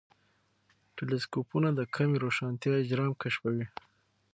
ټیلېسکوپونه د کمې روښانتیا اجرام کشفوي.